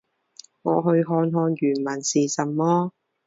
我去看看原文是什么。